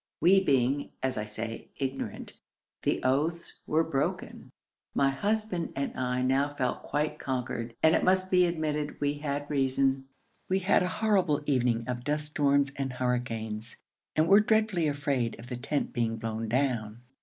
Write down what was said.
We being, as I say, ignorant, the oaths were broken. My husband and I now felt quite conquered; and it must be admitted we had reason. We had a horrible evening of dust storms and hurricanes, and were dreadfully afraid of the tent being blown down.